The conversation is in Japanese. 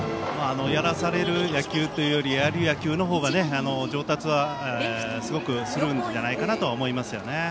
やらされる野球よりやる野球というほうが上達は、すごくするんじゃないかなと思います。